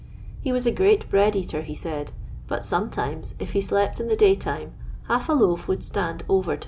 He was a great bread eater, he said ; but sometimes, if he slept in the day time, hidf a loaf would " stand over to next day."